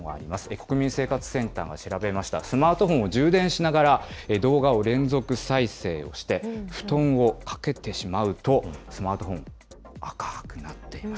国民生活センターが調べました、スマートフォンを充電しながら動画を連続再生をして、布団をかけてしまうと、スマートフォン、赤ーくなっています。